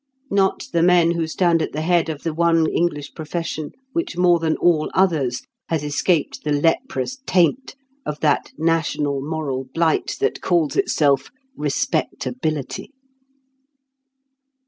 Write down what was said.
Not the men who stand at the head of the one English profession which more than all others has escaped the leprous taint of that national moral blight that calls itself "respectability."